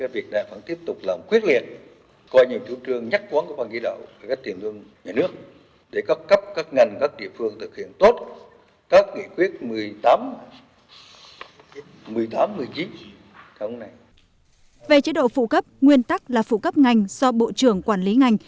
về chế độ phụ cấp nguyên tắc là phụ cấp ngành do bộ trưởng quản lý ngành